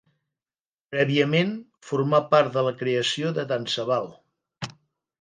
Prèviament formà part de la creació de Tant Se Val.